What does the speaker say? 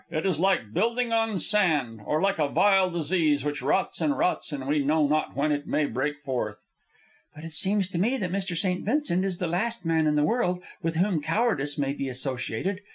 It is like building on sand, or like a vile disease which rots and rots and we know not when it may break forth." "But it seems to me that Mr. St. Vincent is the last man in the world with whom cowardice may be associated.